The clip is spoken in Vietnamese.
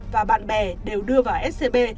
và bạn bè đều đưa vào scb